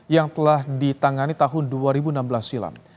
yang telah ditangani tahun dua ribu enam belas silam